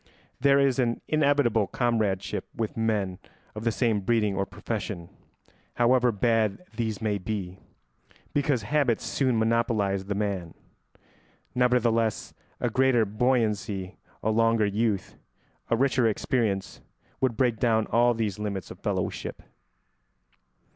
There is an inevitable comradeship with men of the same breeding or profession, however bad these may be, because habits soon monopolise the man. Nevertheless a greater buoyancy, a longer youth, a richer experience, would break down all these limits of fellowship.